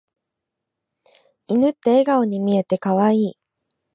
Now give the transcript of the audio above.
犬って笑顔に見えて可愛い。